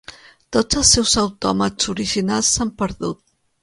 Tots els seus autòmats originals s'han perdut.